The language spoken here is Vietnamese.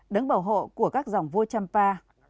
đứng bảo hộ của các dòng vua champa